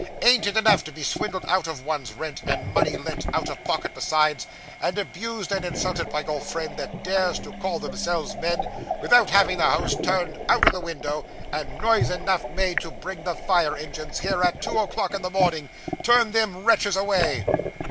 'Ain't it enough to be swindled out of one's rent, and money lent out of pocket besides, and abused and insulted by your friends that dares to call themselves men, without having the house turned out of the window, and noise enough made to bring the fire engines here, at two o'clock in the morning? Turn them wretches away.